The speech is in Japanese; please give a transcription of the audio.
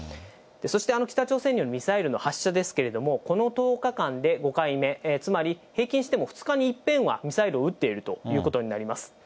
そして北朝鮮によるミサイルの発射ですけれども、この１０日間で５回目、つまり平均しても２日にいっぺんはミサイルを打っているということになります。